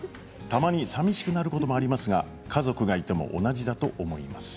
たまにさみしくなることもありますが家族がいても同じだと思います。